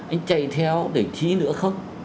anh chạy theo để chị nữa không